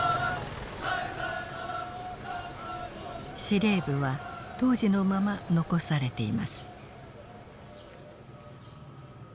司令部は当時のまま残されています。